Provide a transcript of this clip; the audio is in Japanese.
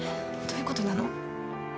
どういうことなの？